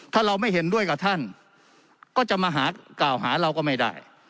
ถ้าเราไม่เห็นด้วยกับท่านก็จะมาหากล่าวหาเราก็ไม่ได้